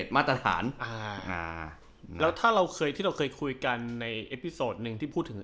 มาตรฐานอ่าอ่าแล้วถ้าเราเคยที่เราเคยคุยกันในเอฟพิโซดหนึ่งที่พูดถึง